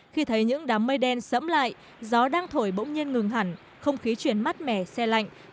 khi thấy những đám mây đen sẫm lại gió đang thổi bỗng nhiên ngừng hẳn không khí chuyển mát mẻ xe lạnh